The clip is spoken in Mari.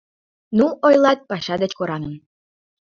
Ну, ойлат, паша деч кораҥын...